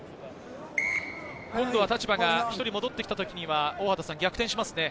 今度は立場が１人戻ってきた時には逆転しますね。